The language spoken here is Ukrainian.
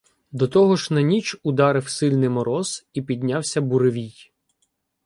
До того ж на ніч ударив сильний мороз і піднявся буревій.